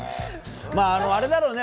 あれだろうね。